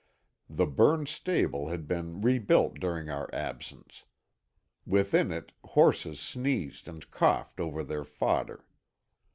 The burned stable had been rebuilt during our absence. Within it horses sneezed and coughed over their fodder.